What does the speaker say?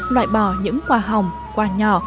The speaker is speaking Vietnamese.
loại bỏ những quà hồng quà nhỏ